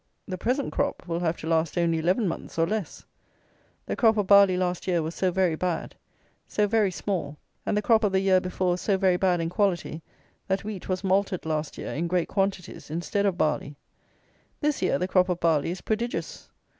The present crop will have to last only eleven months, or less. The crop of barley, last year, was so very bad; so very small; and the crop of the year before so very bad in quality that wheat was malted, last year, in great quantities, instead of barley. This year, the crop of barley is prodigious.